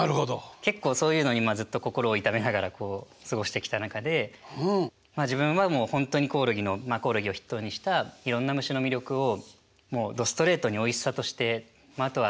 結構そういうのにずっと心を痛めながらこう過ごしてきた中でまあ自分は本当にコオロギのコオロギを筆頭にしたいろんな虫の魅力をもうどストレートにおいしさとしてまああとは個性ですよね。